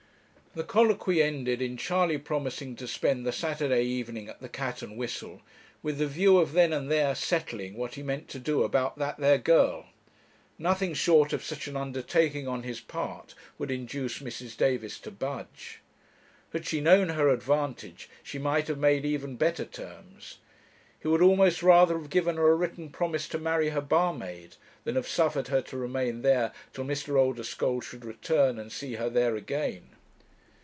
The colloquy ended in Charley promising to spend the Saturday evening at the 'Cat and Whistle,' with the view of then and there settling what he meant to do about 'that there girl'; nothing short of such an undertaking on his part would induce Mrs. Davis to budge. Had she known her advantage she might have made even better terms. He would almost rather have given her a written promise to marry her barmaid, than have suffered her to remain there till Mr. Oldeschole should return and see her there again.